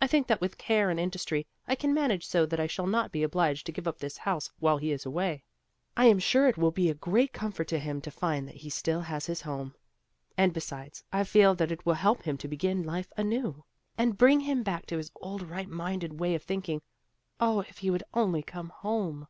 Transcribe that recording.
I think that with care and industry I can manage so that I shall not be obliged to give up this house while he is away. I am sure it will be a great comfort to him to find that he still has his home. And besides I feel that it will help him to begin life anew, and bring him back to his old right minded way of thinking. Oh, if he would only come home!"